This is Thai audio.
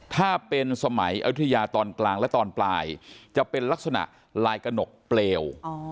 ถ้าเป็นสมัยอยุธยาตอนกลางและตอนปลายจะเป็นลักษณะลายกระหนกเปลว